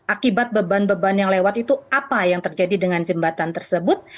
akibat beban beban yang lewat itu apa yang terjadi dengan jembatan tersebut